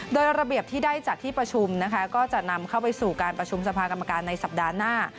โดยระเบียบที่ได้จากที่ประชุมนะคะก็จะนำเข้าไปสู่การประชุมสภากรรมการในสัปดาห์หน้า